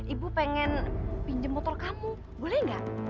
ibu pengen pinjem motor kamu boleh enggak